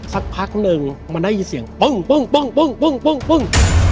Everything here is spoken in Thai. สักพักนึงมันได้ยินเสียงปุ่ง